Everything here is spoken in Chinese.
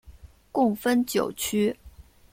共分九区。